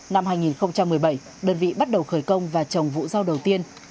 năm hai nghìn một mươi bảy đơn vị bắt đầu khởi công và trồng vụ rau đầu tiên